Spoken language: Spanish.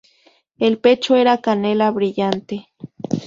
El pecho era canela brillante.